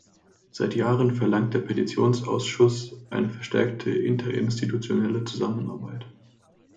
Seit Jahren verlangt der Petitionsausschuss eine verstärkte interinstitutionelle Zusammenarbeit.